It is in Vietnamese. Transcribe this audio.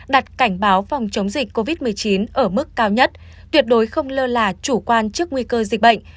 đặt cảnh báo phòng chống dịch covid một mươi chín ở mức cao nhất tuyệt đối không lơ là chủ quan trước nguy cơ dịch bệnh